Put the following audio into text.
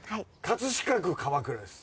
飾区鎌倉です。